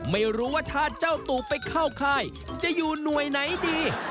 ไม่รู้ว่าเจ้าตูไปเข้าไข่วันอยู่หน่อยไหน